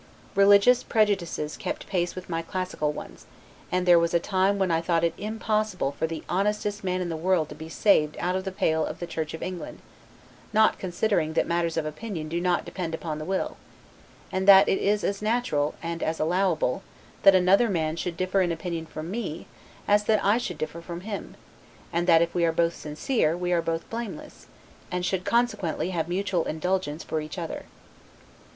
Religious prejudices kept pace with my classical ones; and there was a time when I thought it impossible for the honestest man in the world to be saved out of the pale of the Church of England, not considering that matters of opinion do not depend upon the will; and that it is as natural, and as allowable, that another man should differ in opinion from me, as that I should differ from him; and that if we are both sincere, we are both blameless; and should consequently have mutual indulgence for each other.